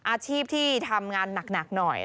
อาชีพที่ทำงานหนักหน่อย